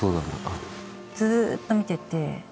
ずっと見てて。